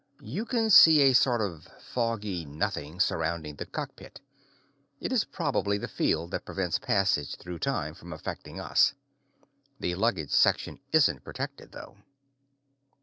You can see a sort of foggy nothing surrounding the cockpit; it is probably the field that prevents passage through time from affecting us. The luggage section isn't protected, though.